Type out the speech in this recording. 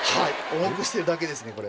重くしてるだけですねこれ。